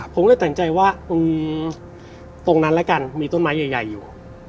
ผมเลยตัดสินใจว่าตรงนั้นแล้วกันมีต้นไม้ใหญ่อยู่